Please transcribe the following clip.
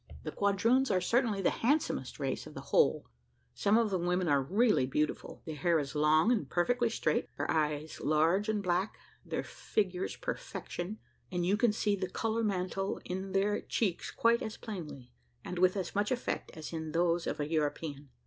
The quadroons are certainly the handsomest race of the whole: some of the women are really beautiful; their hair is long and perfectly straight, their eyes large and black, their figures perfection, and you can see the colour mantle in their cheeks quite as plainly, and with as much effect, as in those of an European.